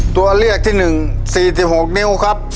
ตัวเลือกที่๑๔๖นิ้วครับ